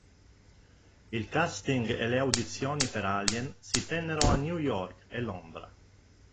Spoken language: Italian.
Il casting e le audizioni per "Alien" si tennero a New York e Londra.